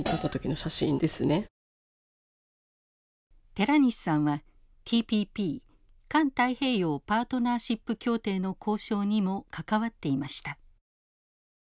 寺西さんはＴＰＰ環太平洋パートナーシップ協定の交渉にも関わっていました。